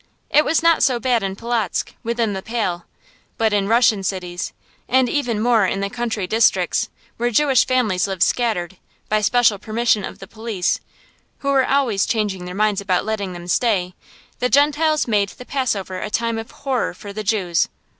It was not so bad in Polotzk, within the Pale; but in Russian cities, and even more in the country districts, where Jewish families lived scattered, by special permission of the police, who were always changing their minds about letting them stay, the Gentiles made the Passover a time of horror for the Jews.